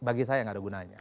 bagi saya nggak ada gunanya